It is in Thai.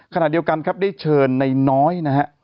ขณะเดียวกันครับได้เชิญในน้อยนะฮะ